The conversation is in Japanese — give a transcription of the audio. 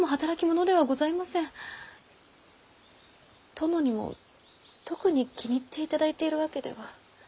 殿にも特に気に入っていただいているわけでは。